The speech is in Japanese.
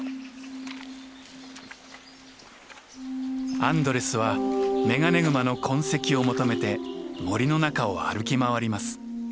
アンドレスはメガネグマの痕跡を求めて森の中を歩き回ります。